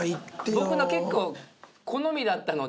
僕の結構好みだったので。